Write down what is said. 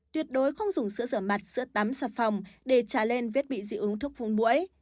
tuyệt đối không dùng sữa rửa mặt sữa tắm sạp phòng để trả lên vết bị dị ứng thuốc phun mũi